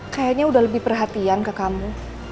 kayaknya udah lebih perhatian ke kamu